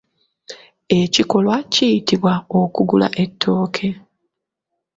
Ekikolwa kiyitibwa okugula ettooke.